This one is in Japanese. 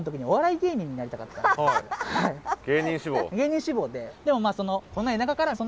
芸人志望で。